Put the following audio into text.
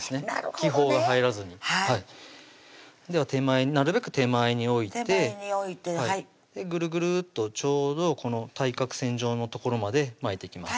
気泡が入らずにでは手前になるべく手前に置いてぐるぐるっとちょうど対角線上の所まで巻いていきます